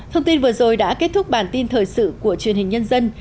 thông tin vừa rồi đã kết thúc bản tin thời sự của truyền hình nhân dân